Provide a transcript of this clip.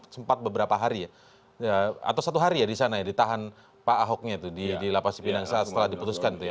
setelah diputuskan itu ya